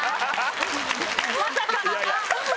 まさかの。